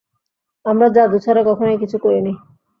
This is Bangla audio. আমরা জাদু ছাড়া কখনই কিছু করিনি।